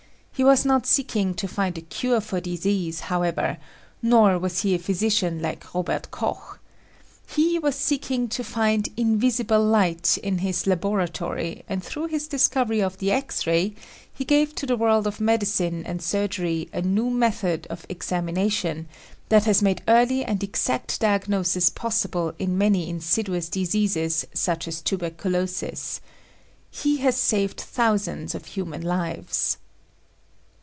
He was not seeking to find a cure for disease, however; nor was he a physician like Robert Koch. He was seeking to find "invisible light" in his laboratory and through his discovery of the X ray he gave to the world of medicine and sur gery a new method of examination that has made early and exact diagnosis possible in many insidious diseases such as tuberculosis. He has saved thousands of human lives.